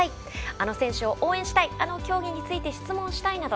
あの選手を応援したいあの競技について質問したいなど